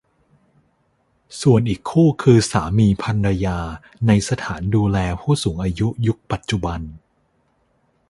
ส่วนอีกคู่คือสามีภรรยาในสถานดูแลผู้สูงอายุยุคปัจจุบัน